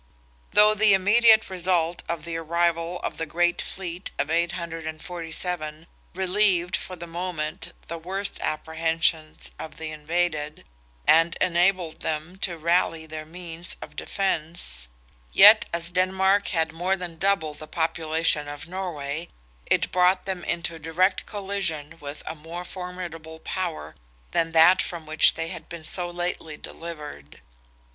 Though the immediate result of the arrival of the great fleet of 847 relieved for the moment the worst apprehensions of the invaded, and enabled them to rally their means of defence, yet as Denmark had more than double the population of Norway, it brought them into direct collision with a more formidable power than that from which they had been so lately delivered.